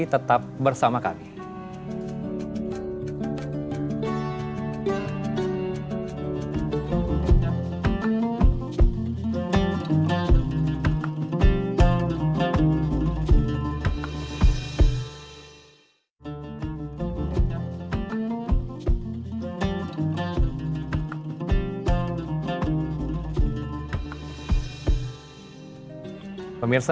tetap bersama kami